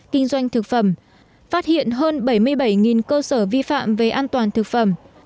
kinh doanh thực phẩm phát hiện hơn bảy mươi bảy cơ sở vi phạm về an toàn thực phẩm